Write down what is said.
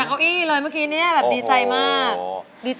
ดีจากโอ้ยเลยเมื่อกี้นี่แบบดีใจมาก